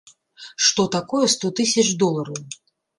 Што такое сто тысяч долараў?